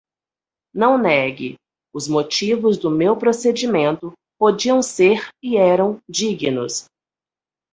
Não negue; os motivos do meu procedimento podiam ser e eram dignos;